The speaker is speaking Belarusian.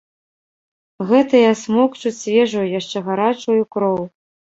Гэтыя смокчуць свежую, яшчэ гарачую, кроў.